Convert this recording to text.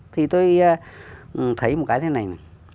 thì tôi thấy một cái thế này